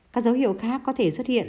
các dấu hiệu khác có thể xuất hiện